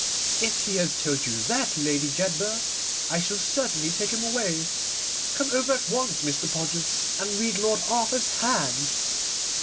'If he has told you that, Lady Jedburgh, I shall certainly take him away. Come over at once, Mr. Podgers, and read Lord Arthur's hand.